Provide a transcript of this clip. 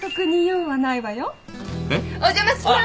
お邪魔します。